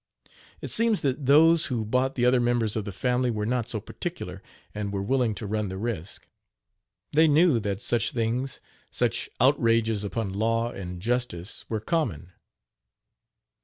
It seems that those who bought the other members of the family were not so particular, and were willing to run the risk. They knew that such things such outrages upon law and justice were common.